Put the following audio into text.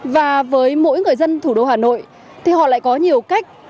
và với mỗi người dân thủ đô hà nội thì họ lại có nhiều cách